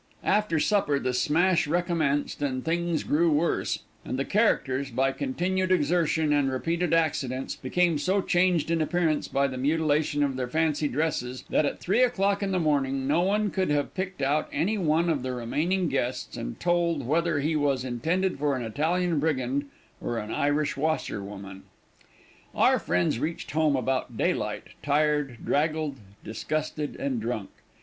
After supper the smash recommenced, and things grew worse, and the characters, by continued exertion and repeated accidents, became so changed in appearance by the mutilation of their fancy dresses, that at three o'clock in the morning, no one could have picked out any one of the remaining guests and told whether he was intended for an Italian brigand or an Irish washerwoman. Our friends reached home about daylight, tired, draggled, disgusted, and drunk.